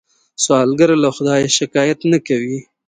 سوالګر له خدایه شکايت نه کوي